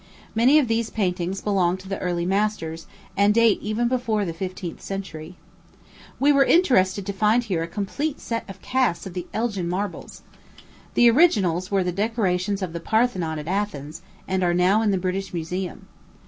Many of these paintings belong to the early masters, and date even before the fifteenth century. We were interested to find here a complete set of casts of the Elgin marbles. The originals were the decorations of the Parthenon at Athens, and are now in the British Museum.